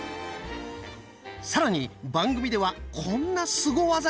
更に番組ではこんなスゴ技や！